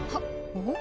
おっ！